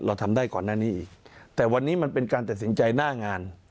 เราทำได้ก่อนหน้านี้อีกแต่วันนี้มันเป็นการตัดสินใจหน้างาน